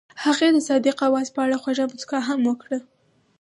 هغې د صادق اواز په اړه خوږه موسکا هم وکړه.